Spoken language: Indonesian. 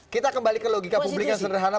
kita kembali ke logika publik yang sederhana